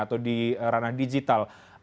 atau di ranah digital